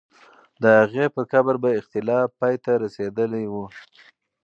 د هغې پر قبر به اختلاف پای ته رسېدلی وو.